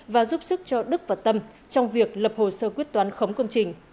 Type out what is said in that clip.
và giúp sức cho đức và tâm trong việc lập hồ sơ quyết toán khống công trình